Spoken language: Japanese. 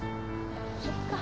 そっか。